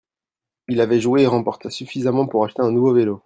Il avait joué et remporta suffisamment pour acheter un nouveau vélo.